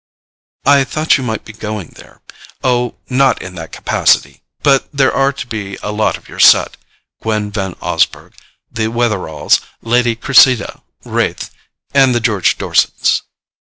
"I thought you might be going there—oh, not in that capacity! But there are to be a lot of your set—Gwen Van Osburgh, the Wetheralls, Lady Cressida Raith—and the George Dorsets."